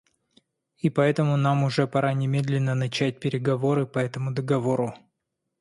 И поэтому нам уже пора немедленно начать переговоры по этому договору.